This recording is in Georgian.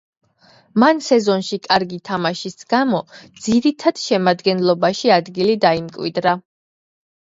მან სეზონში კარგი თამაშის გამო ძირითად შემადგენლობაში ადგილი დაიმკვიდრა.